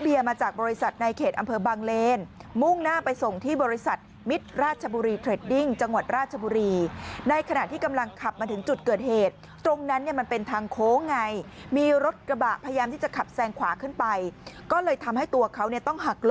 พอหักลบเสร็จปุ๊บมันเสียหลัก